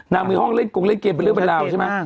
นางมือห้องเล่นเกมเป็นเรื่องเป็นราวใช่มั้ย